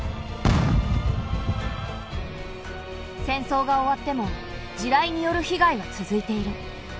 戦争が終わっても地雷による被害は続いている。